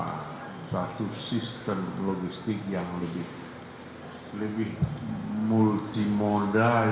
untuk memiliki suatu sistem logistik yang lebih multimodal